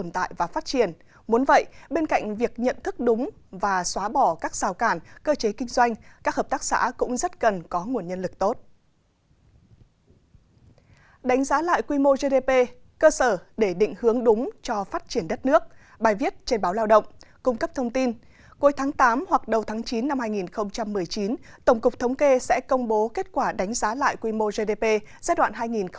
trong năm hai nghìn một mươi tám hoặc đầu tháng chín năm hai nghìn một mươi chín tổng cục thống kê sẽ công bố kết quả đánh giá lại quy mô gdp giai đoạn hai nghìn một mươi hai nghìn một mươi bảy